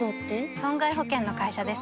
損害保険の会社です